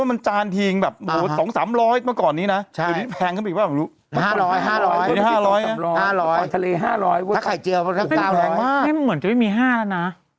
ว่ามันจ่านทิงแบบอ่าโอ้เดี๋ยวนี้แพงเขาเปลี่ยน